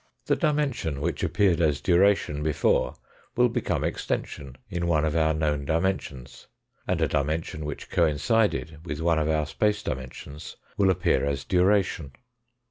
The dimension which appeared as duration before will become extension in one of our known dimensions, and a dimension which coincided with one of our space dimensions will appear as duration.